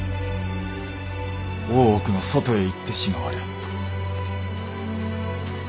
大奥の外へ行ってしまわれ。